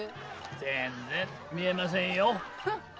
全然見えませんよ。